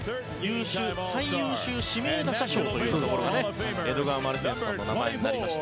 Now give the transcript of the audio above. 最優秀指名打者賞というのがエドガー・マルティネスさんの名前になりました。